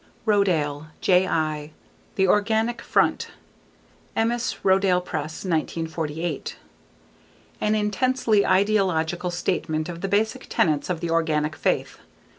Rodale, J.I. The Organic Front. Emmaus: Rodale Press, 1948. An intensely ideological statement of the basic tenets of the Organic faith.